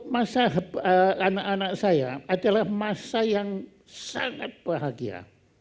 masa anak anak saya adalah masa yang sangat bahagia